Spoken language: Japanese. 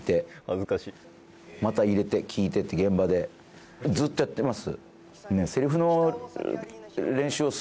ずーっとまた入れて聞いてって現場でずっとやってます